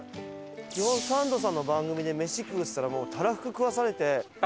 基本サンドさんの番組でメシ食うっつったらもうたらふく食わされて。